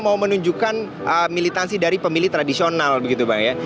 mau menunjukkan militansi dari pemilih tradisional begitu bang ya